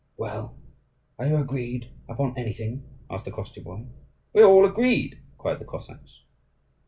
"Well, are you agreed upon anything?" asked the Koschevoi. "We are all agreed!" cried the Cossacks.